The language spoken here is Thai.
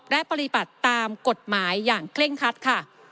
และปฏิบัติตามกฎหมายอย่างเคร่งคัดค่ะ